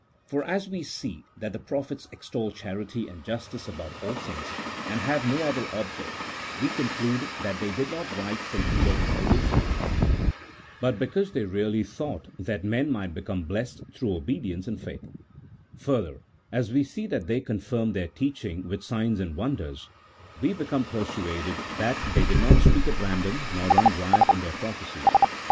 For as we see that the prophets extol charity and justice above all things, and have no other object, we conclude that they did not write from unworthy motives, but because they really thought that men might become blessed through obedience and faith: further, as we see that they confirmed their teaching with signs and wonders, we become persuaded that they did not speak at random, nor run riot in their prophecies.